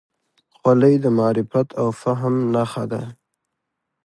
خولۍ د معرفت او فهم نښه ده.